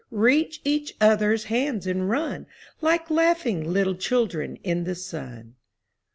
Reach each other's hands and run Like laughing little children in the sun